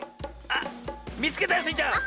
あっみつけたよスイちゃん。